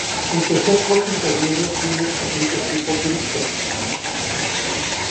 El tercer coche intermedio tiene asientos tipo turista.